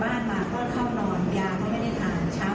เพื่อความโอโหและเพื่อความที่เตรียมเป็นคนหลักรถนะครับ